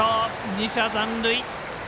２者残塁。